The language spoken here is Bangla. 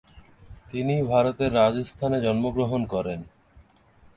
তিনি ভারতের রাজস্থানে জন্মগ্রহণ করেন।